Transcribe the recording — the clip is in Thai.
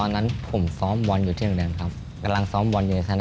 อดีฟรีวหลังสองข้อ